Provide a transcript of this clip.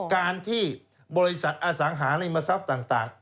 การที่บริษัทอสังหาริมทรัพย์ต่าง